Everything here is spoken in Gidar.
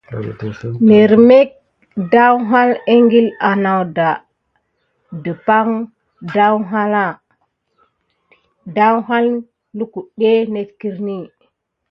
Mirmek daouhalà ékile à nakuda depak daouha lukude net kirini va neɗe.